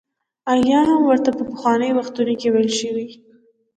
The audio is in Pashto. ایلیا هم ورته په پخوانیو وختونو کې ویل شوي.